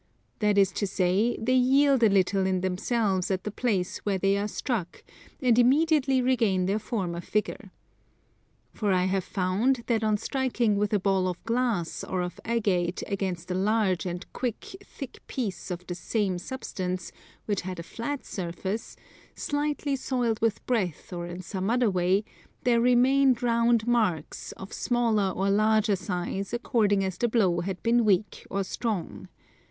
That is to say they yield a little in themselves at the place where they are struck, and immediately regain their former figure. For I have found that on striking with a ball of glass or of agate against a large and quite thick thick piece of the same substance which had a flat surface, slightly soiled with breath or in some other way, there remained round marks, of smaller or larger size according as the blow had been weak or strong.